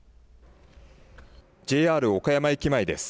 ＪＲ岡山駅前です。